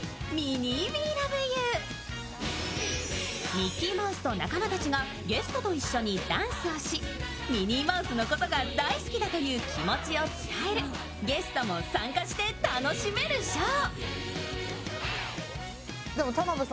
ミッキーマウスと仲間たちがゲストと一緒にダンスをしミニーマウスのことが大好きだという気持ちを伝えるゲストも参加して楽しめるショー。